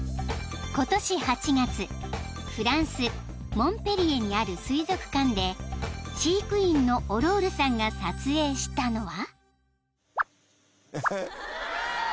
［フランスモンペリエにある水族館で飼育員のオロールさんが撮影したのは］